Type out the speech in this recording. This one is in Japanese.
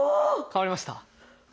変わりました！